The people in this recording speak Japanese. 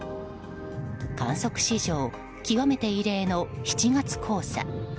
観測史上極めて異例の７月黄砂。